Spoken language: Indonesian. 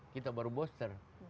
kita baru booster